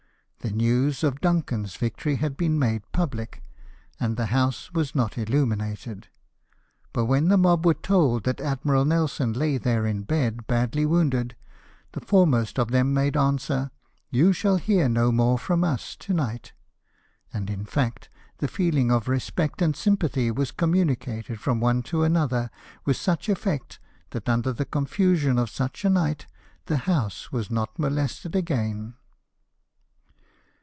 The news of Duncan's victory had been made public, and the house was not illuminated. But when the mob were told that Admiral Nelson lay there in bed, badly wounded, the foremost of them made answer, " You shall hear no more from us to night ;" and in fact the feeling of respect and sympathy was com municated from one to another with such effect that, under the confusion of such a night, the house was not molested again.